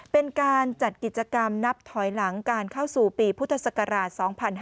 เป็นการจัดกิจกรรมนับถอยหลังการเข้าสู่ปีพุทธศักราช๒๕๕๙